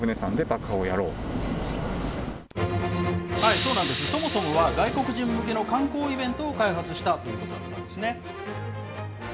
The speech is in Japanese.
そうなんです、そもそもは、外国人向けの観光イベントを開発したということだったんですね。